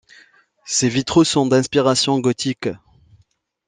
Ses vitraux sont d'inspiration gothique.